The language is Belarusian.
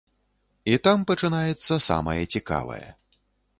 І там пачынаецца самае цікавае.